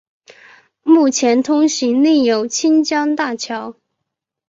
目前通行另有清江大桥。